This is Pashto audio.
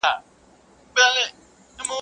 لار سوه ورکه له سپاهیانو غلامانو.